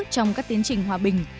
trong các tiến trình hòa bình